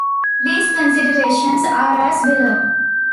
These considerations are as below.